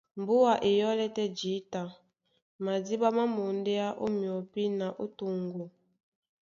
Mbùa e yɔ́lɛ́ tɛ́ jǐta, madíɓá má mondéá ó myɔpí na ó toŋgo.